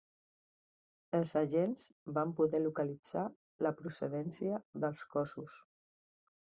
Els agents van poder localitzar la procedència dels cossos.